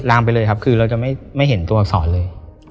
ไปเลยครับคือเราจะไม่เห็นตัวอักษรเลย